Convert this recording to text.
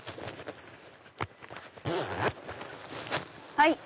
はい！